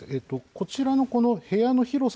こちらのこの部屋の広さ